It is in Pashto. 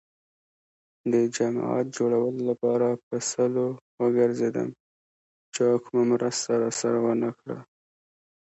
د جماعت جوړولو لپاره په سلو وگرځېدم. چا کومه مرسته راسره ونه کړه.